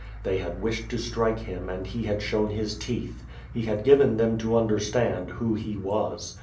They had wished to strike him and he had shown his teeth. He had given them to understand who he was.